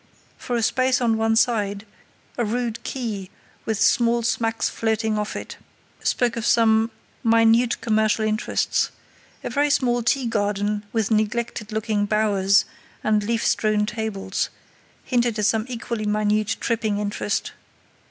For a space on one side, a rude quay, with small smacks floating off it, spoke of some minute commercial interests; a very small tea garden, with neglected looking bowers and leaf strewn tables, hinted at some equally minute tripping interest.